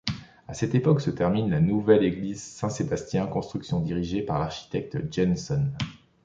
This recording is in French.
À cette époque se termine la nouvelle église Saint-Sébastien, construction dirigée par l'architecte Jennesson.